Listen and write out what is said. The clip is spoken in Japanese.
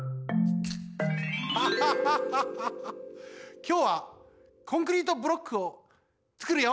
ハハハハきょうはコンクリートブロックをつくるよ！